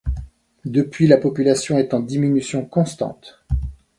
Depuis, la population est en diminution constante.